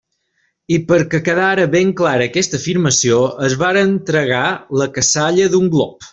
I perquè quedara ben clara aquesta afirmació, es varen tragar la cassalla d'un glop.